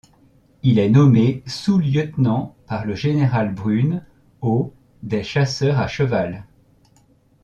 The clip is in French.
Il est nommé sous-lieutenant par le général Brune au des Chasseurs à cheval.